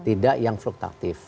tidak yang fluktatif